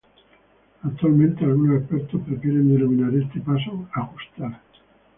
Actualmente algunos expertos prefieren denominar este paso "Ajustar".